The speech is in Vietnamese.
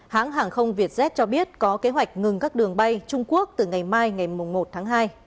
hãng hàng không vietjet cho biết có kế hoạch ngừng các đường bay trung quốc từ ngày mai ngày một tháng hai